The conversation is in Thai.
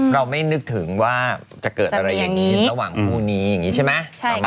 เราไม่นึกถึงว่าจะเกิดอะไรอย่างนี้ระหว่างคู่นี้อย่างนี้ใช่ไหม